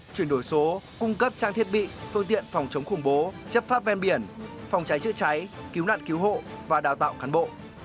chuyển đổi số cung cấp trang thiết bị phương tiện phòng chống khủng bố chấp pháp ven biển phòng cháy chữa cháy cứu nạn cứu hộ và đào tạo cán bộ